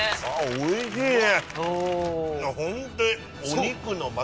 おいしいね。